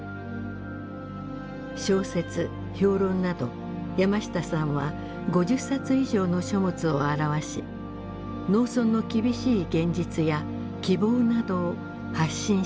小説評論など山下さんは５０冊以上の書物を著し農村の厳しい現実や希望などを発信し続けてきました。